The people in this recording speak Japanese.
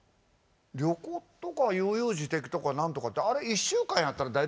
旅行とか悠々自適とか何とかってあれ１週間やったら大体飽きるよね。